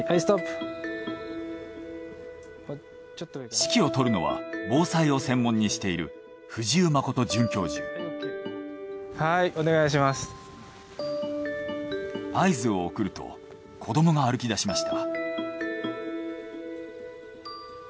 指揮を執るのは防災を専門にしている合図を送ると子供が歩き出しました。